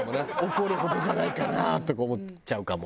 怒るほどじゃないかなとか思っちゃうかも。